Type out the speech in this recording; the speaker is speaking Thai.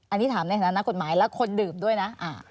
อันนี้ถามในฐานะกฎหมายและคนดื่มด้วยนะ